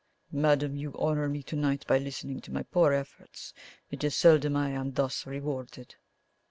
"Madame, you honour me to night by listening to my poor efforts. It is seldom I am thus rewarded!"